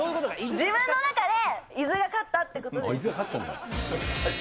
自分の中で伊豆が勝ったってことです。